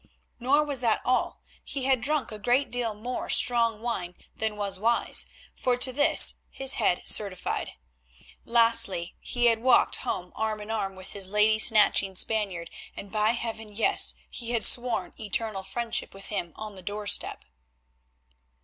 Nor was that all—he had drunk a great deal more strong wine than was wise, for to this his head certified. Lastly he had walked home arm in arm with his lady snatching Spaniard, and by Heaven! yes, he had sworn eternal friendship with him on the doorstep.